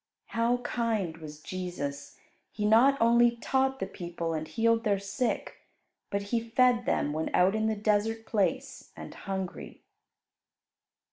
How kind was Jesus! He not only taught the people and healed their sick, but He fed them when out in the desert place and hungry.